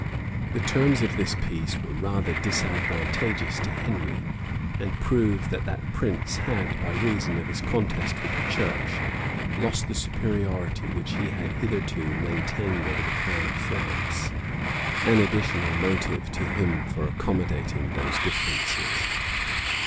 The terms of this peace were rather disadvantageous to Henry, and prove that that prince had, by reason of his contest with the church, lost the superiority which he had hitherto maintained over the crown of France; an additional motive to him for accommodating those differences.